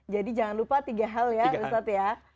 jadi jangan lupa tiga hal ya ustadz ya